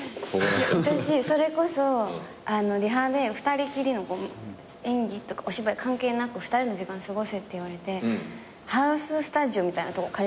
私それこそリハで２人きりのお芝居関係なく２人の時間過ごせって言われてハウススタジオみたいなとこ借りたんだよね。